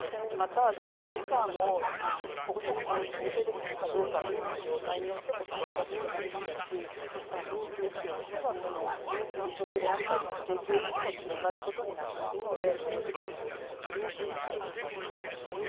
労働時間を保護者のほうで調整できるかどうかは業界によっても事情が異なりますし、離職であったり家計急変につながることもありますので労働時間の調整も簡単ではありません。